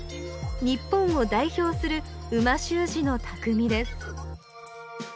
日本を代表する美味しゅう字のたくみです